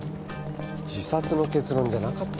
自殺の結論じゃなかったのかよ。